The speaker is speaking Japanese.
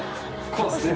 こうですね。